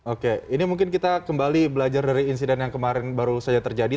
oke ini mungkin kita kembali belajar dari insiden yang kemarin baru saja terjadi